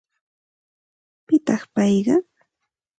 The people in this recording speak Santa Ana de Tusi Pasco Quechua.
¿Pitaq payqa?